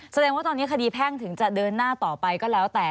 แสดงว่าตอนนี้คดีแพ่งถึงจะเดินหน้าต่อไปก็แล้วแต่